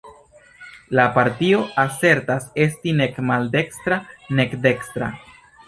La partio asertas esti nek maldekstra nek dekstra.